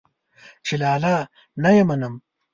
چې لالا نه يې منم.